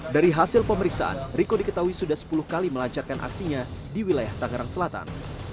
dari hasil pemeriksaan riko diketahui sudah sepuluh kali melancarkan aksinya di wilayah tangerang selatan